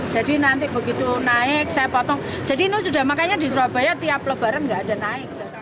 jadi nanti begitu naik saya potong jadi makanya di surabaya tiap lebaran nggak ada naik